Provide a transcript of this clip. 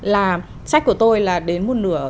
là sách của tôi là đến một nửa